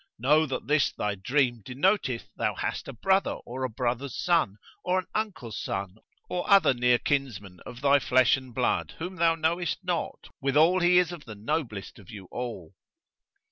know that this thy dream denoteth thou hast a brother or a brother's son or an uncle's son or other near kinsman of thy flesh and blood whom thou knowest not; withal he is of the noblest of you all."